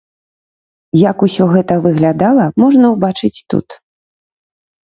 Як усё гэта выглядала, можна ўбачыць тут.